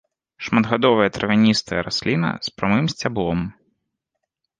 Шматгадовая травяністая расліна з прамым сцяблом.